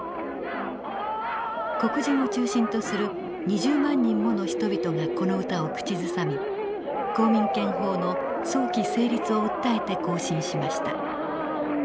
黒人を中心とする２０万人もの人々がこの歌を口ずさみ公民権法の早期成立を訴えて行進しました。